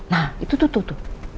nah itu tuh tuh tuh